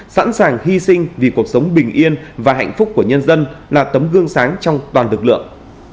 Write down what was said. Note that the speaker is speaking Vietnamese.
sẵn sàng hy sinh vì cuộc sống bình yên và hạnh phúc của nhân dân là tấm gương sáng trong toàn lực lượng